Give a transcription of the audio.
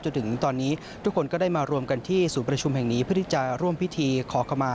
จนถึงตอนนี้ทุกคนก็ได้มารวมกันที่ศูนย์ประชุมแห่งนี้เพื่อที่จะร่วมพิธีขอขมา